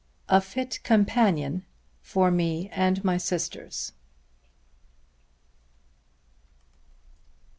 A FIT COMPANION, FOR ME AND MY SISTERS.